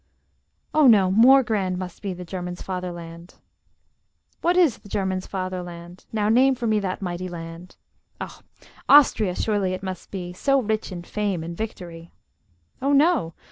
Oh no! more grand Must be the German's fatherland! What is the German's fatherland? Now name for me that mighty land! Ah! Austria surely it must be, So rich in fame and victory. Oh no!